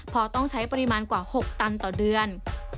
พอต้องใช้ปริมาณกว่า๖ตันต่อเดือน